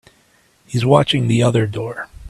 He's watching the other door.